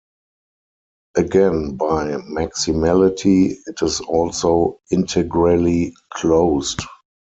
Again by maximality it is also integrally closed.